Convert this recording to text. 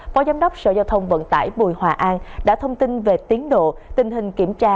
phó giám đốc sở giao thông vận tải bùi hòa an đã thông tin về tiến độ tình hình kiểm tra